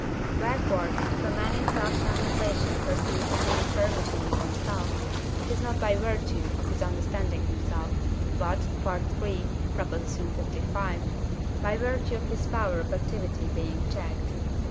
Wherefore, if a man in self contemplation perceives any infirmity in himself, it is not by virtue of his understanding himself, but (III. lv.) by virtue of his power of activity being checked.